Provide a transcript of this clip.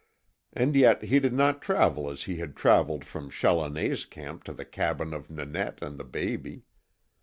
And yet he did not travel as he had travelled from Challoner's camp to the cabin of Nanette and the baby.